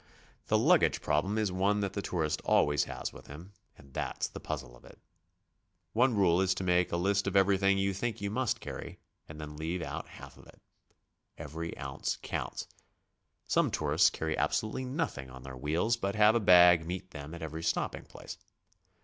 The luggage problem is one that the tourist always has with him, and that's the puzzle of it. One rule is to make a list of everything you think you must carry, and then leave out half of it. Every ounce counts. Some tourists carry ab solutely nothing on their wheels, but have a bag meet them at every stopping place.